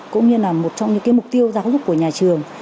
cũng như là một trong những mục tiêu giáo dục của nhà trường